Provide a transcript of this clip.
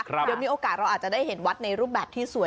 เดี๋ยวมีโอกาสเราอาจจะได้เห็นวัดในรูปแบบที่สวย